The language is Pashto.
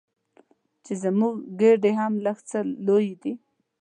چې زموږ ګېډې هم لږ څه لویې دي.